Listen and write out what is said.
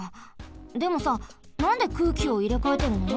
でもさなんで空気をいれかえてるの？